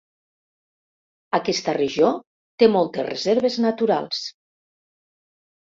Aquesta regió té moltes reserves naturals.